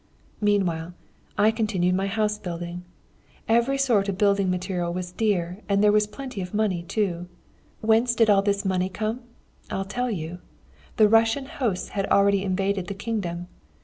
"Meanwhile, I continued my house building. Every sort of building material was very dear, and there was plenty of money too. Whence did all this money come? I'll tell you. The Russian hosts had already invaded the kingdom.